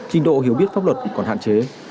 trình độ hiểu biết pháp luật còn hạn chế